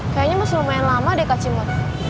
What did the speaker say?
kayaknya masih lumayan lama deh kak cimut